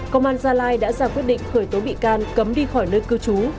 công an gia lai đã ra quyết định khởi tố bị can cấm đi khỏi nơi cư trú